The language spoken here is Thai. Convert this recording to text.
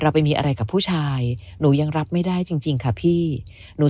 ไปมีอะไรกับผู้ชายหนูยังรับไม่ได้จริงค่ะพี่หนู